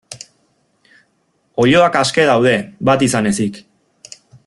Oiloak aske daude, bat izan ezik.